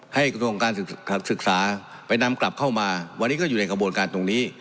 กระทรวงการศึกษาไปนำกลับเข้ามาวันนี้ก็อยู่ในกระบวนการตรงนี้